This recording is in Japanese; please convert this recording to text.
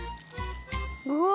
うわ！